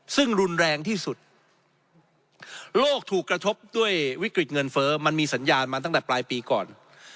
ซึ่งรุนแรงที่สุดโลกถูกกระทบด้วยวิกฤตเงินเฟ้อมันมีสัญญาณมาตั้งแต่ปลายปีก่อน